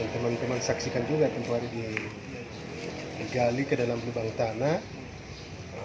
teman teman saksikan juga tempuh hari di gali ke dalam lubang tanah